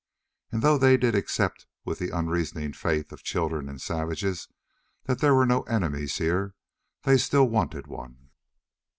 And though they did accept with the unreasoning faith of children and savages that there were no enemies here, they still wanted one.